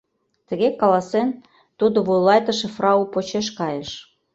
— Тыге каласен, тудо вуйлатыше фрау почеш кайыш.